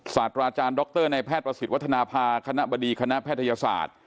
ศาจราจารย์นายแพทย์ประศิษฐ์วัฒนาภาคณะบดีคณะแพทยศาสตร์